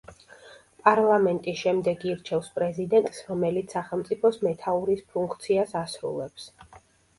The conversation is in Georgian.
პარლამენტი შემდეგ ირჩევს პრეზიდენტს, რომელიც სახელმწიფოს მეთაურის ფუნქციას ასრულებს.